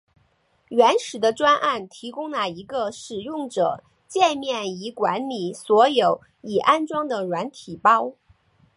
原始的专案提供了一个使用者介面以管理所有已安装的软体包。